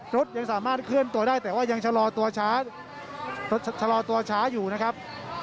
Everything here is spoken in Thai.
รถยังสามารถเคลื่อนตัวได้แต่ว่ายังชะลอตัวช้าชะลอตัวช้าอยู่นะครับ